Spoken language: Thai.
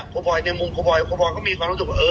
พ่อบ่อยในมุมพ่อบ่อยพ่อบ่อยก็มีความรู้สึกว่าเออ